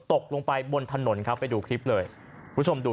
ตกลงไปบนถนนครับไปดูคลิปเลยคุณผู้ชมดู